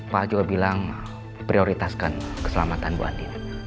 pak jor bilang prioritaskan keselamatan bu anding